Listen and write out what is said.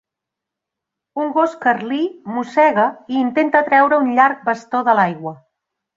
Un gos carlí mossega i intenta treure un llarg bastó de l'aigua.